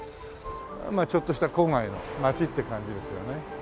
まあちょっとした郊外の町って感じですよね。